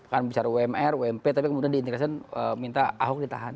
bukan bicara umr ump tapi kemudian diintegrasikan minta ahok ditahankan